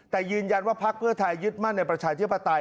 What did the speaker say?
แต่ยืนยันว่าพักเพื่อไทยยึดมั่นในประชาธิปไตย